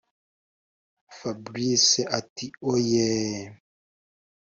fabric ati”yoooooo!!!!!!!